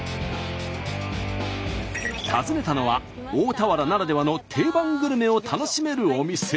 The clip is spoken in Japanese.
訪ねたのは大田原ならではの定番グルメを楽しめるお店。